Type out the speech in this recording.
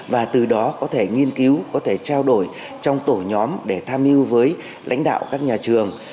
và từ đó có thể nghiên cứu có thể trao đổi trong tổ nhóm để tham mưu với lãnh đạo các nhà trường